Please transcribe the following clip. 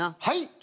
はい？